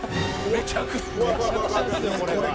「めちゃくちゃですよ」